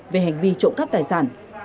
về hành vi trộm cắt tài sản